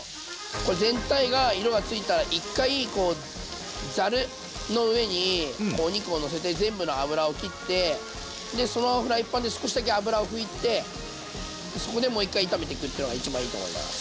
これ全体が色がついたら一回こうざるの上にお肉をのせて全部の脂をきってそのフライパンで少しだけ脂を拭いてそこでもう一回炒めていくってのが一番いいと思います。